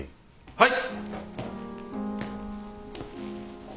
はい